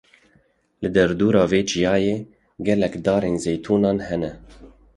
Li derdora vî çiyayî gelek darên zeytûnan hene.